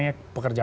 dan kita semua tahu